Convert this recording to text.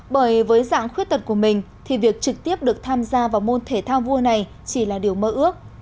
bởi với dạng khuyết tật của mình thì việc trực tiếp được tham gia vào môn thể thao vua này chỉ là điều mơ ước